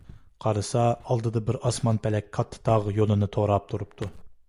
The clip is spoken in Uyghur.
قارىسا، ئالدىدا بىر ئاسمان - پەلەك كاتتا تاغ يولىنى توراپ تۇرۇپتۇ.